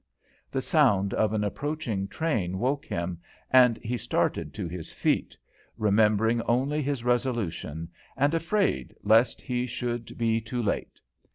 The sound of an approaching train woke him, and he started to his feet, remembering only his resolution, and afraid lest he should be too late.